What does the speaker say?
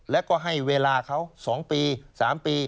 แล้วก็ให้เวลาเขา๒ปี๓ปี